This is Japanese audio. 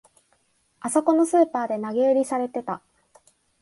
あそこのスーパーで投げ売りされてた